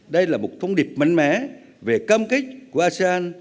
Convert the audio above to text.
đây là một thông điệp mạnh mẽ về cam kết của asean